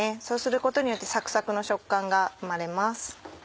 そうすることによってサクサクの食感が生まれます。